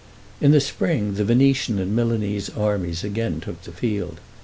In the spring, the Venetian and Milanese armies again took the field.